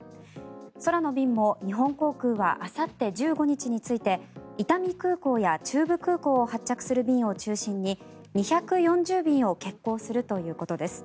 空の便も日本航空はあさって１５日について伊丹空港や中部空港を発着する便を中心に２４０便を欠航するということです。